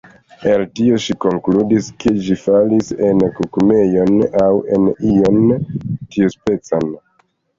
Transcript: El tio ŝi konkludis ke ĝi falis en kukumejon, aŭ en ion tiuspecan.